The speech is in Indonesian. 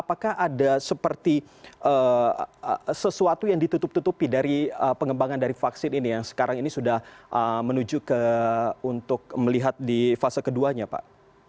apakah ada seperti sesuatu yang ditutup tutupi dari pengembangan dari vaksin ini yang sekarang ini sudah menuju ke untuk melihat di fase keduanya pak